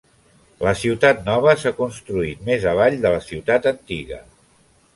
La ciutat nova s'ha construït més avall de la ciutat antiga.